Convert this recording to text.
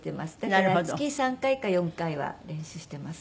だから月３回か４回は練習してます。